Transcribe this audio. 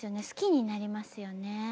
好きになりますよね。